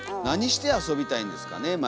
何して遊びたいんですかね